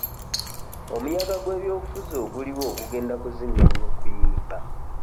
Omuyaga gw'ebyobufuzi oguliwo gugenda kuzingamya okuyimba.